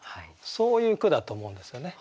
そういう句だと思うんですよね。